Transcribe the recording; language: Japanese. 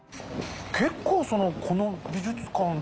結構そのこの美術館